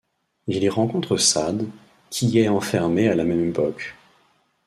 Il y rencontre Sade, qui y est enfermé à la même époque.